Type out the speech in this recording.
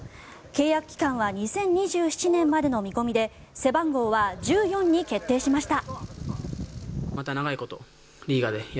契約期間は２０２７年までの見込みで背番号は１４に決定しました。